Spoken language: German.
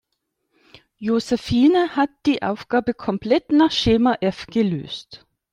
Josephine hat die Aufgabe komplett nach Schema F gelöst.